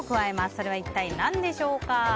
それは一体何でしょう？